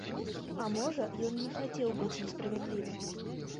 А можа, ён не хацеў быць несправядлівым.